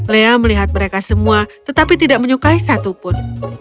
lea melihat mereka semua tetapi tidak menyukai satupun